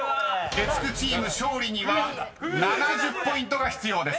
［月９チーム勝利には７０ポイントが必要です］